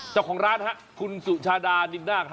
เจ้าของร้านฮะคุณสุชาดานินนาค